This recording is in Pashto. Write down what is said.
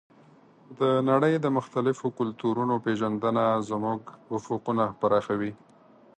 د نړۍ د مختلفو کلتورونو پېژندنه زموږ افقونه پراخوي.